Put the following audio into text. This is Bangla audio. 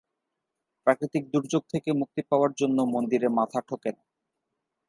প্রাকৃতিক দূর্যোগ থেকে মুক্তি পাওয়ার জন্য মন্দিরে মাথা ঠোকেনা।